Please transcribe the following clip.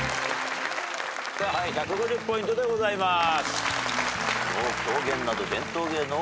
１５０ポイントでございます。